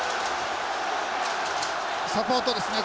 サポートですね